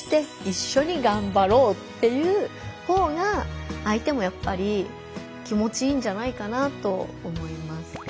っていうほうが相手もやっぱり気持ちいいんじゃないかなと思います。